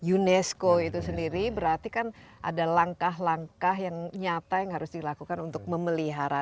unesco itu sendiri berarti kan ada langkah langkah yang nyata yang harus dilakukan untuk memelihara